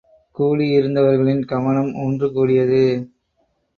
கூடியிருந்தவர்களின் கவனம் ஒன்று கூடியது.